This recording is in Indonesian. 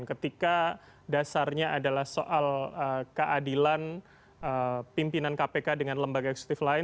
ketika dasarnya adalah soal keadilan pimpinan kpk dengan lembaga eksekutif lain